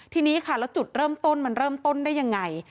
ทีนี้ค่ะแล้วจุดเริ่มต้นมันเริ่มต้นได้ยังไง